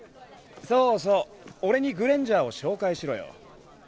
そうそう俺にグレンジャーを紹介しろよ